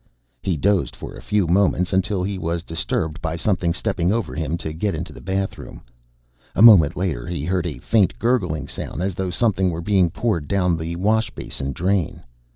He dozed for a few moments, until he was disturbed by someone stepping over him to get into the bathroom. A moment later, he heard a faint gurgling sound, as though something were being poured down the washbasin drain.